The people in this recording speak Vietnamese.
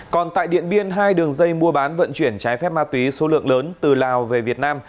còn tại điện biên hai đường dây mua bán vận chuyển trái phép ma túy số lượng lớn từ lào về việt nam